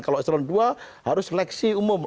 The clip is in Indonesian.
kalau eselon dua harus seleksi umum